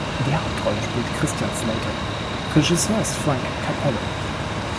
Die Hauptrolle spielt Christian Slater, Regisseur ist Frank Capello.